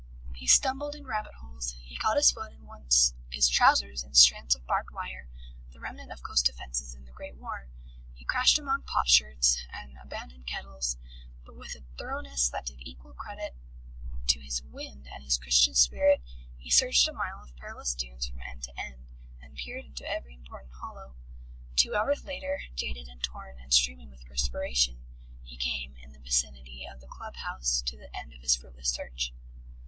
He stumbled in rabbit holes, he caught his foot and once his trousers in strands of barbed wire, the remnant of coast defences in the Great War, he crashed among potsherds and abandoned kettles but with a thoroughness that did equal credit to his wind and his Christian spirit, he searched a mile of perilous dunes from end to end, and peered into every important hollow. Two hours later, jaded and torn and streaming with perspiration, he came, in the vicinity of the club house, to the end of his fruitless search.